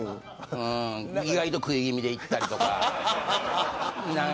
意外と食い気味で言ったりとか。